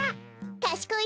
かしこい